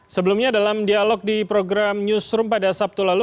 sebelumnya dalam dialog di program newsroom pada sabtu lalu